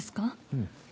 うん。